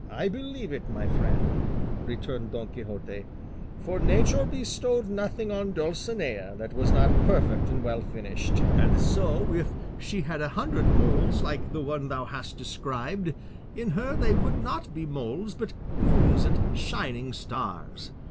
"I believe it, my friend," returned Don Quixote; "for nature bestowed nothing on Dulcinea that was not perfect and well finished; and so, if she had a hundred moles like the one thou hast described, in her they would not be moles, but moons and shining stars.